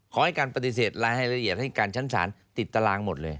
ขอให้การปฏิเสธรายให้ละเอียดให้การชั้นศาลติดตารางหมดเลย